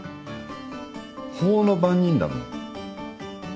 法の番人だもん。